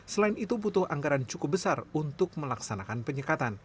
selain itu butuh anggaran cukup besar untuk melaksanakan penyekatan